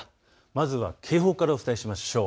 まずは警報からお伝えしましょう。